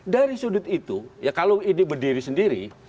dari sudut itu ya kalau ini berdiri sendiri